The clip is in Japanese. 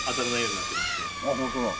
あっホントだ！